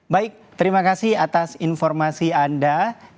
baik terima kasih atas informasi anda